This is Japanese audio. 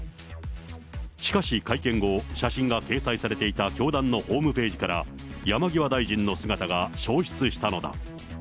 しかし、会見後、写真が掲載されていた教団のホームページから、山際大臣の姿が消失したのだ。